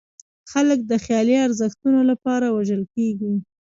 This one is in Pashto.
خلک د خیالي ارزښتونو لپاره وژل کېږي.